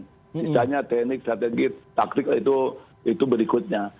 misalnya teknik strategi taktik itu berikutnya